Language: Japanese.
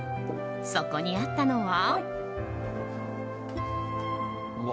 そこにあったのは。